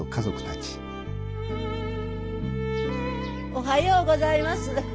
おはようございます。